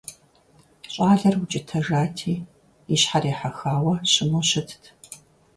Щӏалэр укӀытэжати, и щхьэр ехьэхауэ щыму щытт.